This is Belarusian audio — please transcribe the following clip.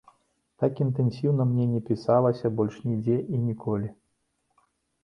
Так інтэнсіўна мне не пісалася больш нідзе і ніколі.